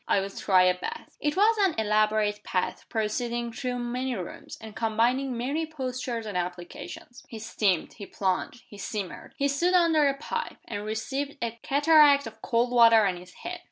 "I'll try a bath." It was an elaborate bath, proceeding through many rooms, and combining many postures and applications. He steamed. He plunged. He simmered. He stood under a pipe, and received a cataract of cold water on his head.